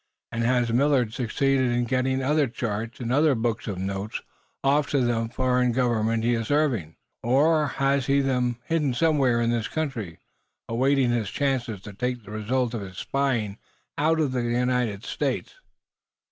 And has Millard succeeded in getting other charts, and other books of notes, off to the foreign government he is serving or has he them hidden somewhere in this country, awaiting his chance to take the results of his spying out of the United States?"